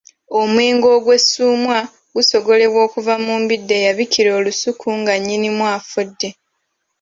Omwenge ogw'essuumwa gusogolebwa kuva mu mbidde eyabikira olusuku nga nnyinimu afudde.